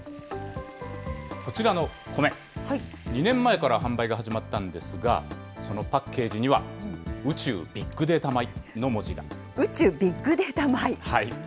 こちらの米、２年前から販売が始まったんですが、そのパッケージには、宇宙ビッグデータ米の文字宇宙ビッグデータ米。